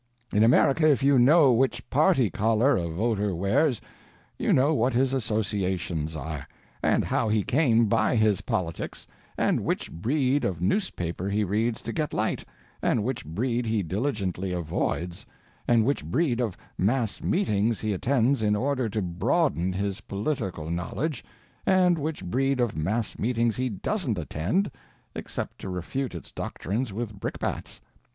In America if you know which party collar a voter wears, you know what his associations are, and how he came by his politics, and which breed of newspaper he reads to get light, and which breed he diligently avoids, and which breed of mass meetings he attends in order to broaden his political knowledge, and which breed of mass meetings he doesn't attend, except to refute its doctrines with brickbats.